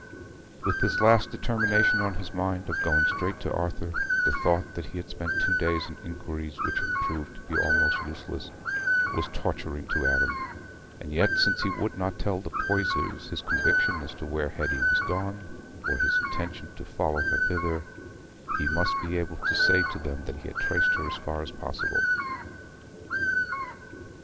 With this last determination on his mind, of going straight to Arthur, the thought that he had spent two days in inquiries which had proved to be almost useless, was torturing to Adam; and yet, since he would not tell the Poysers his conviction as to where Hetty was gone, or his intention to follow her thither, he must be able to say to them that he had traced her as far as possible.